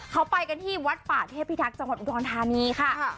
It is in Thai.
เขาไปกันที่วัดป่าเทพิทักษ์จังหวัดอุดรธานีค่ะ